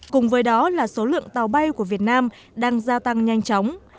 cùng với đó là số lượng tàu bay của việt nam đang gia tăng nhanh chóng